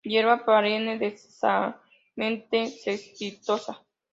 Hierba perenne densamente cespitosa.